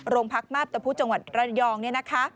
โรงพักมาพตะพุทธจังหวัดรัยองค์